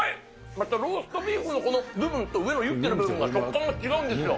またローストビーフのこの部分と上のユッケの部分が食感が違うんですよ。